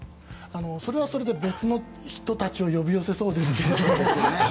それはそれで別の人たちを呼び寄せそうですね。